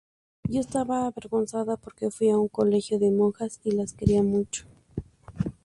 Yo estaba avergonzada, porque fui a un colegio de monjas y las quería mucho"".